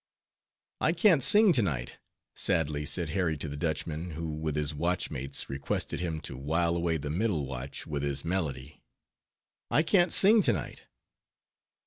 "I can't sing to night"—sadly said Harry to the Dutchman, who with his watchmates requested him to while away the middle watch with his melody—"I can't sing to night.